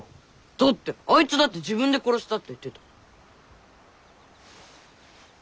だってあいつだって「自分で殺した」って言ってた！